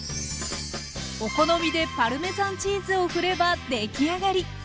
お好みでパルメザンチーズを振ればできあがり！